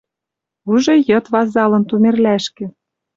Уже йыд вазалын Тумерлӓшкӹ